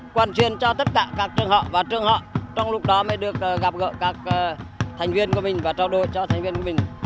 quản truyền cho tất cả các trường họ và trường họ trong lúc đó mới được gặp gỡ các thành viên của mình và trao đổi cho thành viên của mình